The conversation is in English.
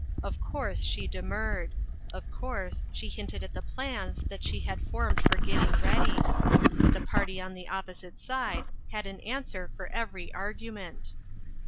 Of course, she demurred; of course, she hinted at the plans that she had formed for getting ready ; but the party on the opposite side had an answer for 436 INTERRUPTED. every argument.